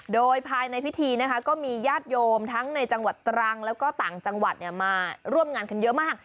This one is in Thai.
โดยภายในพิธีนะคะก็มีญาติโยมทั้งในจังหวัดตรังแล้วก็ต่างจังหวัดมาร่วมงานกันเยอะมาก